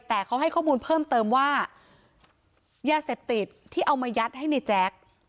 แต่เขาให้ข้อมูลเพิ่มเติมว่ายาเสพติดที่เอามายัดให้ในแจ๊ก